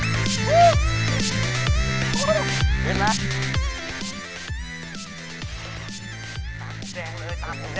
ไขว้ขาไขว้ขาไขว้ขา